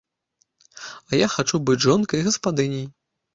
А я хачу быць жонкай і гаспадыняй.